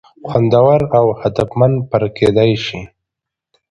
خوندور او هدفمند پر کېدى شي.